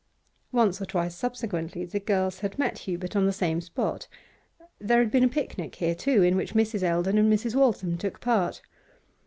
Once or twice subsequently the girls had met Hubert on the same spot; there had been a picnic here, too, in which Mrs. Eldon and Mrs. Waltham took part.